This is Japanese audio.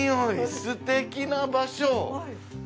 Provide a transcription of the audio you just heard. すてきな場所！